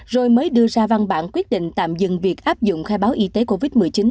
rồi mới đưa ra văn bản quyết định tạm dừng việc áp dụng khai báo y tế covid một mươi chín